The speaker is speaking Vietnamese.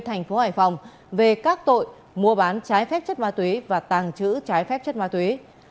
thành phố hải phòng về các tội mua bán trái phép chất ma túy và tàng trữ trái phép chất ma túy